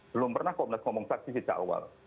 belum pernah komnas ngomong saksi sejak awal